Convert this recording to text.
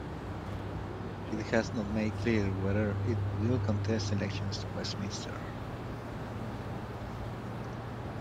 It has not made clear whether it will contest elections to Westminster.